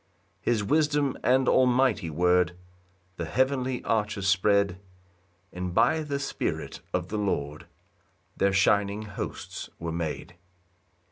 3 His wisdom and almighty word The heavenly arches spread; And by the Spirit of the Lord Their shining hosts were made.